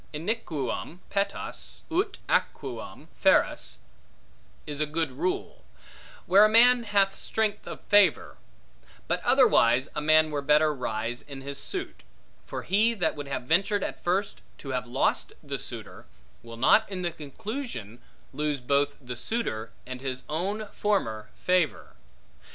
Iniquum petas ut aequum feras is a good rule, where a man hath strength of favor: but otherwise, a man were better rise in his suit; for he, that would have ventured at first to have lost the suitor, will not in the conclusion lose both the suitor, and his own former favor.